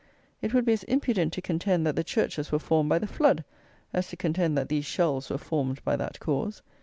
It would be as impudent to contend that the churches were formed by the flood, as to contend that these shelves were formed by that cause.